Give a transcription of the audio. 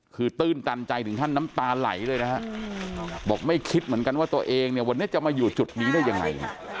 คือตื้นตันใจถึงขั้นน้ำตาไหลเลยนะฮะบอกไม่คิดเหมือนกันว่าตัวเองเนี่ยวันนี้จะมาอยู่จุดนี้ได้ยังไง